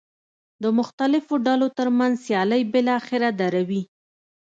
د مختلفو ډلو ترمنځ سیالۍ بالاخره دروي.